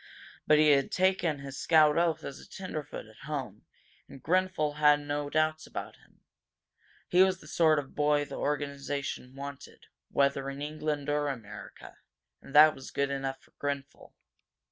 But he had taken his scout oath as a tenderfoot at home, and Grenfel had no doubts about him. He was the sort of boy the organization wanted, whether in England or America, and that was enough for Grenfel.